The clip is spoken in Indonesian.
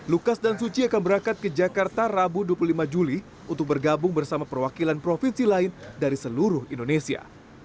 lukas dan suci akan berangkat ke jakarta rabu dua puluh lima juli untuk bergabung bersama perwakilan provinsi lain dari seluruh indonesia